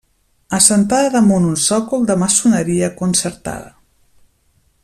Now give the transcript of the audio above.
Assentada damunt un sòcol de maçoneria concertada.